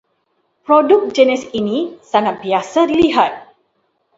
Produk jenis ini sangat biasa dilihat